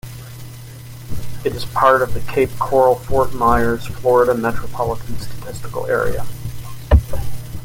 It is part of the Cape Coral-Fort Myers, Florida Metropolitan Statistical Area.